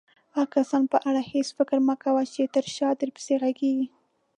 د هغه کسانو په اړه هيڅ فکر مه کوه چې تر شاه درپسې غږيږي.